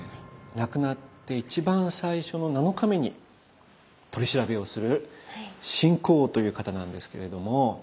亡くなって一番最初の７日目に取り調べをする秦広王という方なんですけれども。